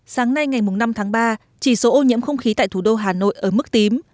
sáng nay ngày năm tháng ba chỉ số ô nhiễm không khí tại thủ đô hà nội ở mức tím